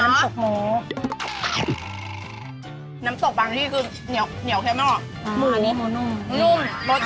น้ำตกบางที่คือเหนียวเค็ม